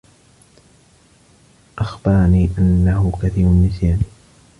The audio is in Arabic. أخبرني أنّه كثير النّسيان.